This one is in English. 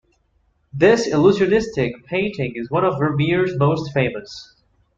This illusionistic painting is one of Vermeer's most famous.